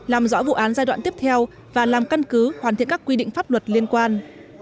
làm rõ vụ án giai đoạn tiếp theo và làm căn cứ hoàn thiện các quy định pháp luật liên quan